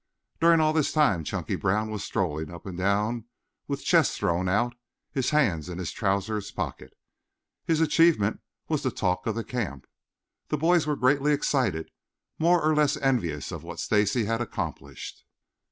During all this time Chunky Brown was strolling up and down with chest thrown out, his hands in his trousers pockets. His achievement was the talk of the camp. The boys were greatly excited, more or less envious of what Stacy had accomplished.